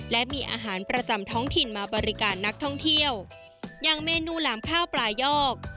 และมีอาหารประจำท้องถิ่นมาบริการนักท่องเที่ยวอย่างเมนูหลามข้าวปลายอก